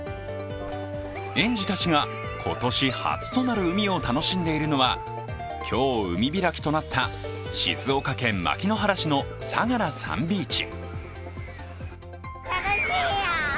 園児たちが今年初となる海を楽しんでいるのは今日、海開きとなった静岡県牧之原市のさがらサンビーチ。